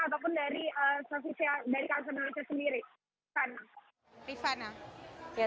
terima kasih banyak